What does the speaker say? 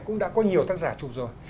cũng đã có nhiều tác giả chụp rồi